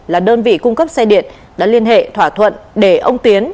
là đơn vị cung cấp xe điện đã liên hệ thỏa thuận để ông tiến